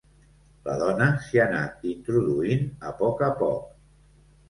La dona s'hi anà introduint a poc a poc.